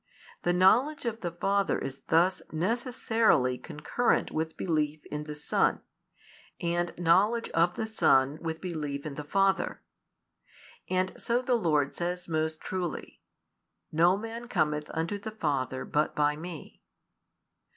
The knowledge of the Father is thus necessarily concurrent with belief in the Son, and knowledge of the Son with belief in the Father. And so the Lord says most truly: No man cometh unto the Father but by Me.